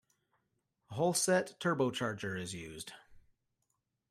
A Holset turbocharger is used.